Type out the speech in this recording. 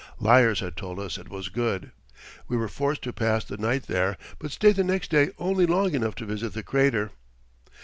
(Liars had told us it was good.) We were forced to pass the night there, but stayed the next day only long enough to visit the crater.